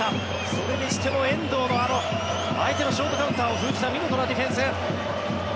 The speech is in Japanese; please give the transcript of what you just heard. それにしても遠藤のあの相手のショートカウンターを防いだ見事なディフェンス。